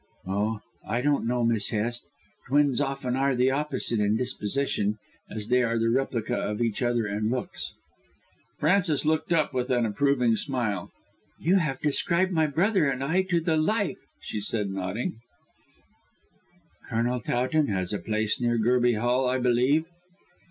"Oh, I don't know, Miss Hest. Twins often are the opposite in disposition as they are the replica of each other in looks." Frances looked up with an approving smile. "You have described my brother and I to the life," she said nodding. "Colonel Towton has a place near Gerby Hall, I believe?"